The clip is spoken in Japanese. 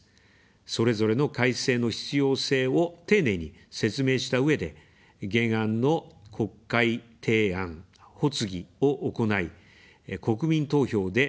それぞれの改正の必要性を丁寧に説明したうえで、原案の国会提案・発議を行い、国民投票で判断を仰ぎます。